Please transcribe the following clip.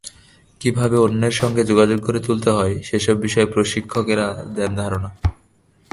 কীভাবে অন্যের সঙ্গে যোগাযোগ গড়ে তুলতে হয়, সেসব বিষয়ে প্রশিক্ষকেরা দেন ধারণা।